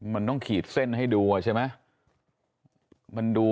มันต้องขีดเส้นให้ดูอ่ะใช่ไหมมันดู